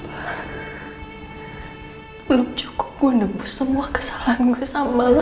belum cukup gue nebus semua kesalahan gue sama lo